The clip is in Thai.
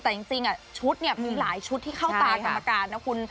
แต่จริงชุดเนี่ยมีหลายชุดที่เข้าตากรรมการนะคุณ